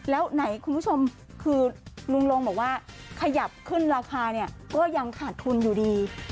แล้วไหนคุณผู้ชมคือลุงลงบอกว่าขยับขึ้นราคาเนี่ยก็ยังขาดทุนอยู่ดี